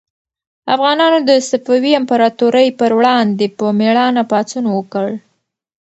افغانانو د صفوي امپراطورۍ پر وړاندې په مېړانه پاڅون وکړ.